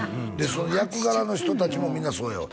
その役柄の人達もみんなそうよ